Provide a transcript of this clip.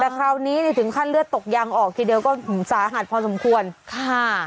แต่คราวนี้เนี่ยถึงขั้นเลือดตกยางออกทีเดียวก็สาหัสพอสมควรค่ะ